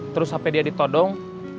terus hp dia ditodong